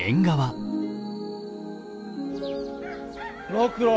六郎